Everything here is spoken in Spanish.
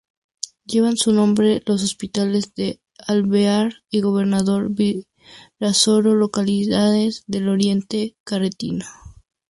Llevan su nombre los hospitales de Alvear y Gobernador Virasoro, localidades el oriente correntino.